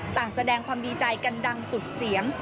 แสดงความดีใจกันดังสุดเสียง